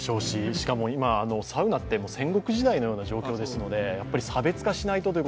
しかも、今、サウナって戦国時代のような状況ですのでやっぱり差別化しないとという